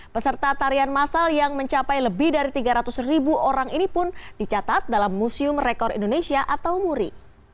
peserta tarian masal yang mencapai lebih dari tiga ratus ribu orang ini pun dicatat dalam museum rekor indonesia atau muri